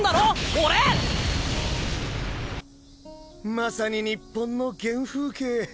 まさに日本の原風景。